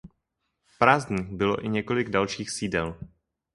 Prázdných bylo i několik dalších sídel.